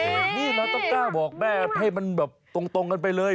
นี่เราต้องกล้าบอกแม่ให้มันแบบตรงกันไปเลย